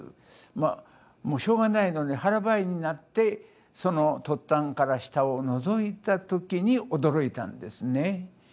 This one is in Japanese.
もうしょうがないので腹ばいになってその突端から下をのぞいた時に驚いたんですね。